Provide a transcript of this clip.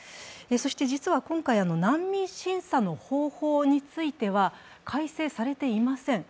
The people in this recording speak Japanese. そして実は今回、難民審査の方法については改正されていません。